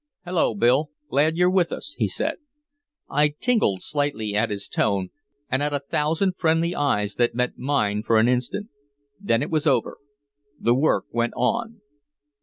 "Hello, Bill, glad you're with us," he said. I tingled slightly at his tone and at a thousand friendly eyes that met mine for an instant. Then it was over. The work went on.